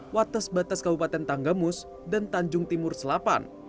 watas batas kabupaten tanggamus dan tanjung timur selatan